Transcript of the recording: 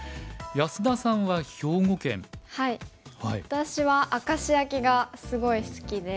私は明石焼きがすごい好きで。